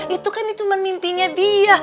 itu kan itu mimpinya dia